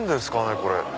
これ。